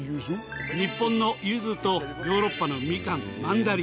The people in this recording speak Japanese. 日本のゆずとヨーロッパのミカンマンダリン。